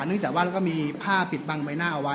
จากว่าแล้วก็มีผ้าปิดบังใบหน้าเอาไว้